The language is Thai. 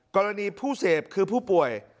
กรณีผู้เสพคือผู้ป่วย